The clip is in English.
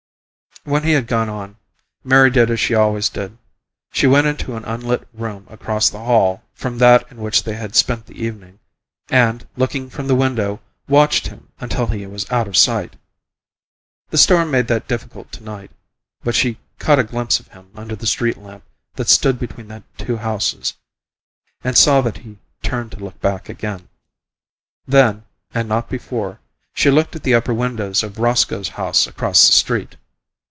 When he had gone on, Mary did as she always did she went into an unlit room across the hall from that in which they had spent the evening, and, looking from the window, watched him until he was out of sight. The storm made that difficult to night, but she caught a glimpse of him under the street lamp that stood between the two houses, and saw that he turned to look back again. Then, and not before, she looked at the upper windows of Roscoe's house across the street.